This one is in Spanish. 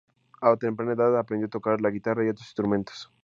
A temprana edad aprendió a tocar la guitarra y otros instrumentos.